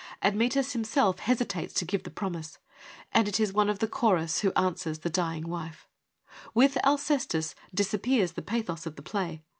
Admetus himself hesi i 3 2 FEMINISM IN GREEK LITERATURE tates to give the promise, and it is one of the chorus who answers the dying wife. With Alcestis disappears the pathos of the play.